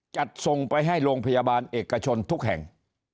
จัดส่งไปให้โรงพยาบาลเอกชนทุกแห่ง